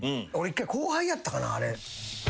俺１回後輩やったかなあれ。